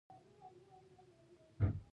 پوست هره ثانیه نوي کیږي.